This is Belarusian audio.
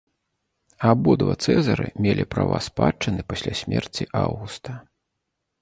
Абодва цэзары мелі права спадчыны пасля смерці аўгуста.